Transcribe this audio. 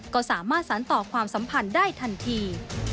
ก็สามารถสารต่อความสัมพันธ์ได้ทันที